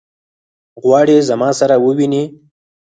غواړي زما سره وویني.